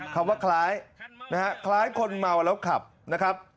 คำว่าคล้ายนะฮะคล้ายคนเมาแล้วขับนะครับ